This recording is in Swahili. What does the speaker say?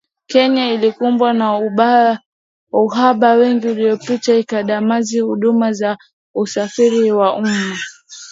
Kenya ilikumbwa na uhaba wiki iliyopita ikidumaza huduma za usafiri wa umma